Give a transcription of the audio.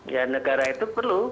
ya negara itu perlu